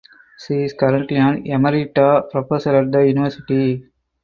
She is currently an emerita professor at the university.